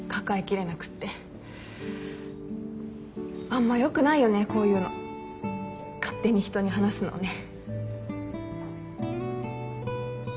あんまよくないよねこういうの勝手に人に話すのね。